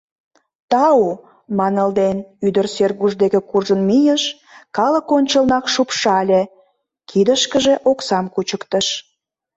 — Тау! — манылден, ӱдыр Сергуш деке куржын мийыш, калык ончылнак шупшале, кидышкыже оксам кучыктыш.